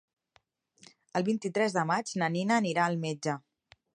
El vint-i-tres de maig na Nina anirà al metge.